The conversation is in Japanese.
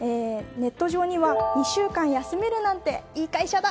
ネット上には２週間休めるなんていい会社だ。